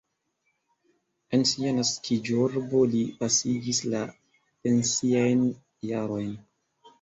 En sia naskiĝurbo li pasigis la pensiajn jarojn.